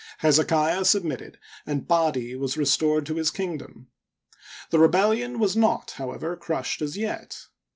Hezekiah submitted, and Pidi was restored to his kingdom. The rebellion was not, however, crushed as yet.